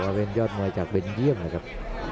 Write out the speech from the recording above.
พยายามจะไถ่หน้านี่ครับการต้องเตือนเลยครับ